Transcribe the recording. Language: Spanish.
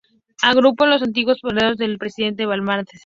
Agrupó a los antiguos partidarios del presidente Balmaceda.